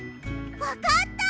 わかった！